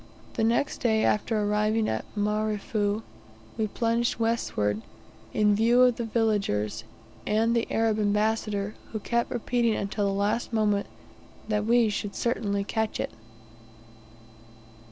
The next day after arriving at Marefu we plunged westward, in view of the villagers, and the Arab ambassador, who kept repeating until the last moment that we should "certainly catch it."